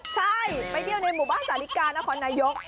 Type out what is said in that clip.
ใช่ไปเที่ยวในหมู่บ้านสาธิกานครนายก